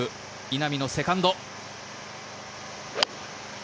稲見のセカンド。